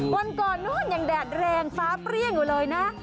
วันก่อนนู้นยังแดดแรงฟ้าเปรี้ยงอยู่เลยนะ